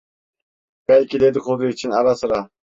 Belki dedikodu için ara sıra…